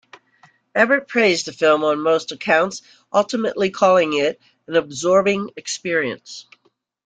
Ebert praised the film on most accounts, ultimately calling it "an absorbing experience".